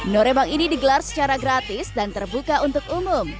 norebang ini digelar secara gratis dan terbuka untuk umum